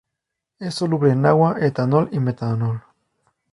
Es soluble en agua, etanol y metanol.